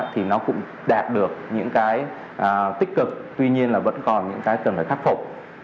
thì nó cũng đạt được những cái tích cực tuy nhiên là vẫn còn những cái cần phải khắc phục